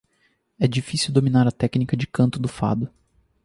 É difícil dominar a técnica de canto do fado.